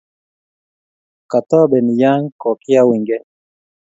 Katobeni ya kokiaunygei